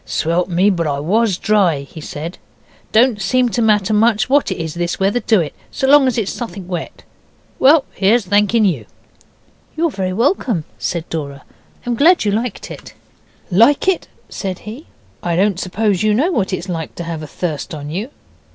'Swelp me, but I WAS dry,' he said. 'Don't seem to matter much what it is, this weather, do it? so long as it's suthink wet. Well, here's thanking you.' 'You're very welcome,' said Dora; 'I'm glad you liked it.' 'Like it?' said he. 'I don't suppose you know what it's like to have a thirst on you.